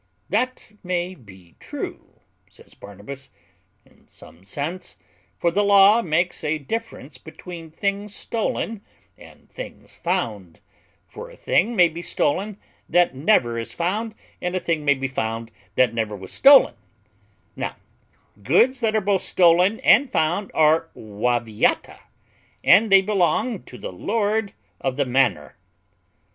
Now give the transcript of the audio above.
"That may be true," says Barnabas, "in some sense; for the law makes a difference between things stolen and things found; for a thing may be stolen that never is found, and a thing may be found that never was stolen: Now, goods that are both stolen and found are waviata; and they belong to the lord of the manor."